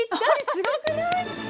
すごくない？